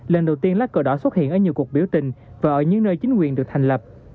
lần đầu tiên lá cờ đỏ xuất hiện ở nhiều cuộc biểu tình và ở những nơi chính quyền được thành lập